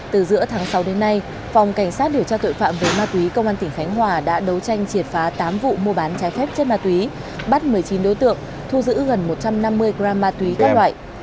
từ giữa tháng sáu đến nay phòng cảnh sát điều tra tội phạm về ma túy công an tỉnh khánh hòa đã đấu tranh triệt phá tám vụ mua bán trái phép chất ma túy bắt một mươi chín đối tượng thu giữ gần một trăm năm mươi g ma túy các loại